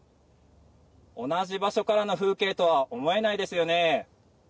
同じ場所からの風景とは思えないですよね。